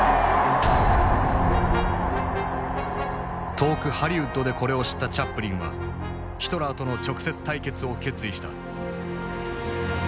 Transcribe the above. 遠くハリウッドでこれを知ったチャップリンはヒトラーとの直接対決を決意した。